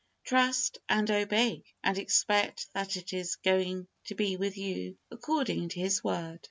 Trust and obey, and expect that it is going to be with you according to His Word.